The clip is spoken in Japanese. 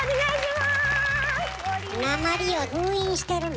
なまりを封印してるの？